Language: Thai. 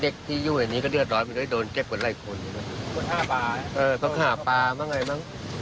เออก็ห้าปลามั่งไงมั้ง